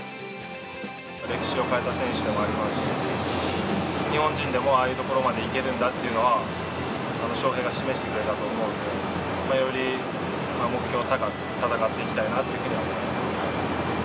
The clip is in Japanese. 歴史を変えた選手でもありますし、日本人でも、ああいうところまでいけるんだっていうのは、翔平が示してくれたと思うので、より目標を高く戦っていきたいなというふうに思います。